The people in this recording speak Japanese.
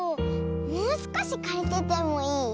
もうすこしかりててもいい？